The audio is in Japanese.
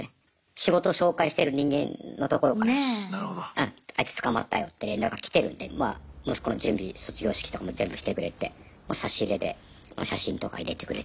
仕事紹介してる人間のところからあいつ捕まったよって連絡来てるんでまあ息子の準備卒業式とかも全部してくれて差し入れで写真とか入れてくれて。